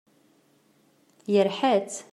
Yerḥa-tt.